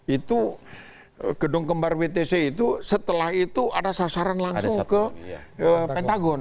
itu gedung kembar wtc itu setelah itu ada sasaran langsung ke pentagon